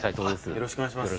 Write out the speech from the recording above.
よろしくお願いします